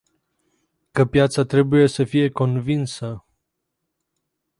Că piața trebuie să fie convinsă.